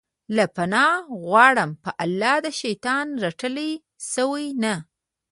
زه پناه غواړم په الله د شيطان رټلي شوي نه